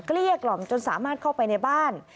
เกี้ยกล่อมจนสามารถเข้าไปในบ้าน